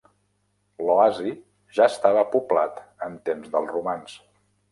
L'oasi ja estava poblat en temps dels romans.